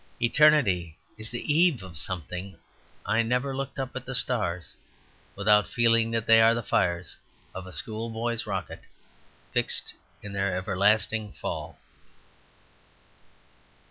Eternity is the eve of something. I never look up at the stars without feeling that they are the fires of a schoolboy's rocket, fixed in their everlasting fall.